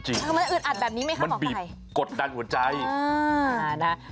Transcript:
มันจะอึดอัดแบบนี้ไหมครับขอบใครมันบีบกดดันหัวใจอืม